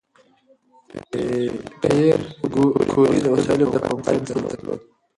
پېیر کوري د وسایلو د پاکوالي مسؤلیت درلود.